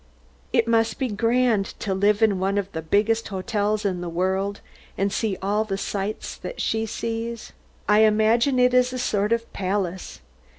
It must be grand to live in one of the biggest hotels in the world, and see all the sights she sees. I imagine it is a sort of a palace.